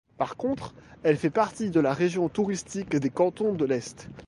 Par contre, elle fait partie de la région touristique des Cantons-de-l'Est.